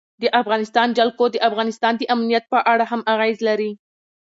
د افغانستان جلکو د افغانستان د امنیت په اړه هم اغېز لري.